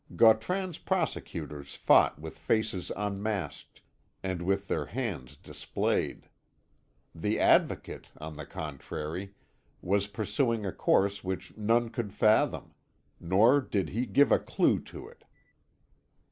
Gautran's prosecutors fought with faces unmasked, and with their hands displayed; the Advocate, on the contrary, was pursuing a course which none could fathom; nor did he give a clue to it.